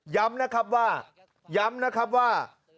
ย้ำนะครับว่า